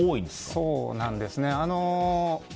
そうなんですね。